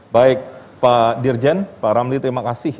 baik pak dirjen pak ramli terima kasih